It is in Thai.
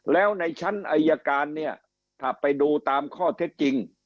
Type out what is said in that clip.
แล้วในชั้นอายการเนี่ยถ้าไปดูตามข้อเท็จจริง